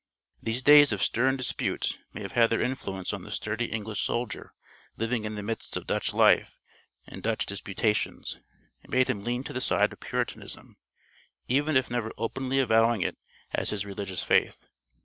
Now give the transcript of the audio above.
These days of stern dispute may have had their influence on the sturdy English soldier living in the midst of Dutch life and Dutch disputations, and made him lean to the side of Puritanism, even if never openly avowing it as his religious faith.